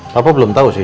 papa belum tau sih